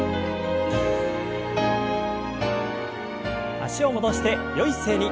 脚を戻してよい姿勢に。